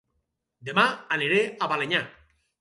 Dema aniré a Balenyà